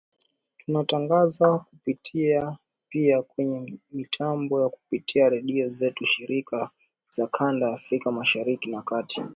tunatangaza kupitia pia kwenye mitambo ya kupitia redio zetu shirika za kanda ya Afrika Mashariki na Kati